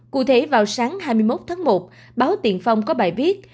cụ thể vào sáng hai mươi một tháng một báo tiền phong có bài viết